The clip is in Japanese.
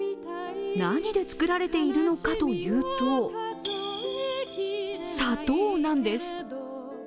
何で作られているのかというと砂糖なんです。